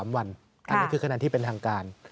๓วันอันนี้คือคะแนนที่เป็นทางการ